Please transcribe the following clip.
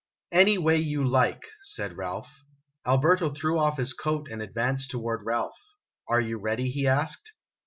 "Any way you like," said Ralph. Alberto threw off his coat and advanced toward Ralph. " Are you ready?" he asked.